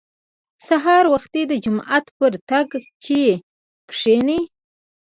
سهار وختي د جومات پر تنګاچه کښېني.